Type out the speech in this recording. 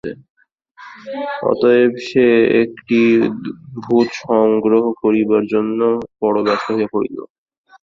অতএব সে একটি ভূত সংগ্রহ করিবার জন্য বড় ব্যস্ত হইয়া পড়িল।